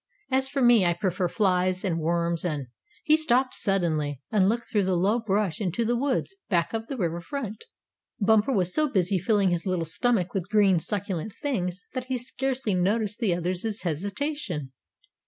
As for me, I prefer flies and worms, and " He stopped suddenly, and looked through the low brush into the woods back of the river front. Bumper was so busy filling his little stomach with green, succulent things that he scarcely noticed the other's hesitation.